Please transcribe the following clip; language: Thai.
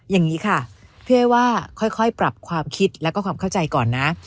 อย่างนี้ค่ะพี่อ้อยว่าค่อยปรับความคิดแล้วก็ความเข้าใจก่อนนะ